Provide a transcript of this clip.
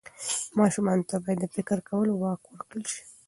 ماشوم ته باید د فکر کولو واک ورکړل سي.